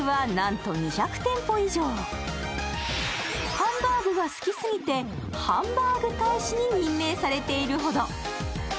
ハンバーグが好きすぎてハンバーグ大使に任命されているほど。